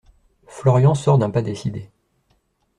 Florian sort d’un pas décidé.